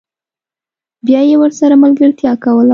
بیا یې ورسره ملګرتیا کوله